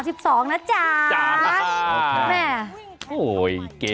มิชุนา